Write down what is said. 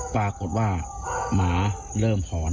ปรากฏว่าหมาเริ่มหอน